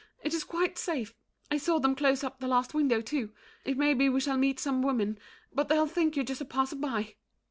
It is quite safe. I saw them close up the last window, too. It may be we shall meet some women, but They'll think you're just a passer by.